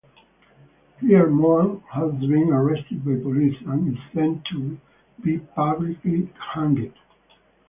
Here Mohan has been arrested by police and is sent to be publicly hanged.